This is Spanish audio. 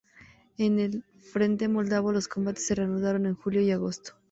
En el frente moldavo, los combates se reanudaron en julio y agosto.